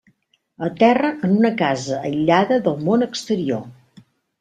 Aterra en una casa aïllada del món exterior.